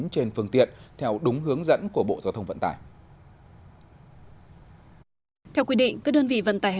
trên phương tiện theo đúng hướng dẫn của bộ giao thông vận tải theo quy định các đơn vị vận tài